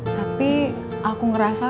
tapi aku ngerasa